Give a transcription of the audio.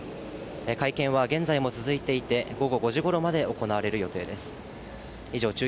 会見は現在も続いていて、午後５時ごろまで行われる予定です。